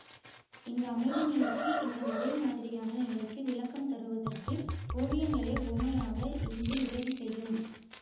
இந்த அமைதி நிலைக்கு இந்த ஒரே மாதிரியான நிலைக்கு விளக்கம் தருவதற்கு ஒவியங்களே உவமையாக இருந்து உதவி செய்யும்.